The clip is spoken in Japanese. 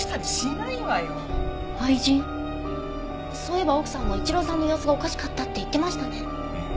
そういえば奥さんが一郎さんの様子がおかしかったって言ってましたね。